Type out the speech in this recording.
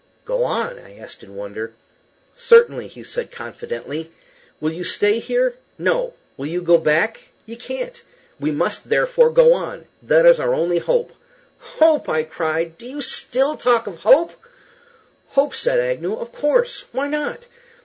"Go on?" I asked, in wonder. "Certainly," said he, confidently. "Will you stay here? No. Will you go back? You can't. We must, therefore, go on. That is our only hope." "Hope!" I cried. "Do you still talk of hope?" "Hope?" said Agnew; "of course. Why not?